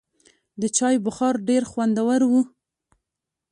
د چای بخار ډېر خوندور و.